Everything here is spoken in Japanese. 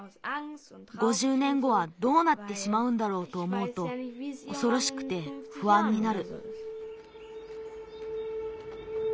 ５０ねんごはどうなってしまうんだろうとおもうとおそろしくてふあんになる。